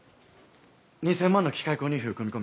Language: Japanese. ２０００万の機械購入費を組み込み